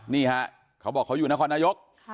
นี่ฮะเขาบอกเขาอยู่นครนายก